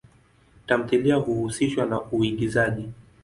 Tamthilia huhusishwa na uigizaji.